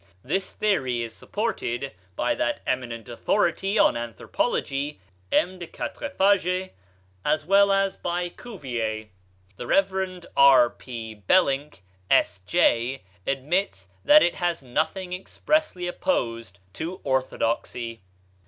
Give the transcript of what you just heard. This theory is supported by that eminent authority on anthropology, M. de Quatrefages, as well as by Cuvier; the Rev. R. p. Bellynck, S.J., admits that it has nothing expressly opposed to orthodoxy.